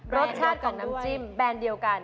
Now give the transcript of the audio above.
รสชาติของน้ำจิ้มแบรนด์เดียวกัน